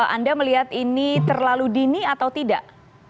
anda melihat ini terlalu dini atau tidak